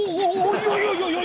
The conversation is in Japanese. いやいやいやいや！